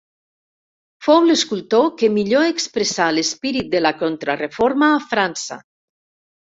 Fou l’escultor que millor expressà l’esperit de la Contrareforma a França.